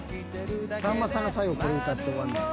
さんまさんが最後これ歌って終わんねん。